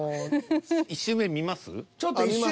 １周目見ます？